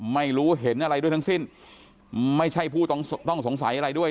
ไม่รู้เห็นอะไรด้วยทั้งสิ้นไม่ใช่ผู้ต้องสงสัยอะไรด้วย